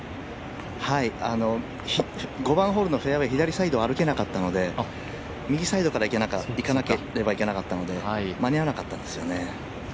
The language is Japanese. ５番ホールのフェアウエー、左側ちょっと歩けなかったので右サイドから行かなければいけなかったので間に合わなかったんですよね。